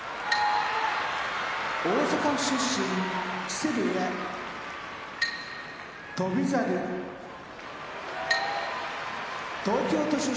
大阪府出身木瀬部屋翔猿東京都出身